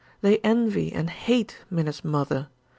They envy and hate Minna's mother.